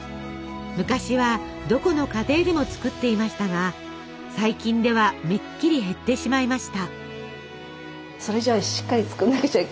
昔はどこの家庭でも作っていましたが最近ではめっきり減ってしまいました。